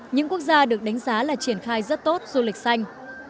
những quốc gia được đánh giá là triển khai rất tốt du lịch xanh